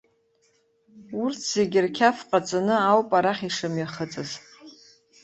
Урҭ зегьы рқьаф ҟаҵаны ауп арахь ишымҩахыҵыз.